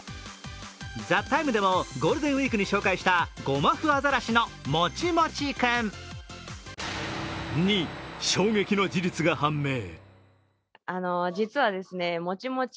「ＴＨＥＴＩＭＥ，」でもゴールデンウイークに紹介したゴマフアザラシのもちもち君。に衝撃の事実が判明！